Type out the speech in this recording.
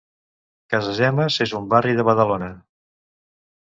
Casagemes és un barri de Badalona.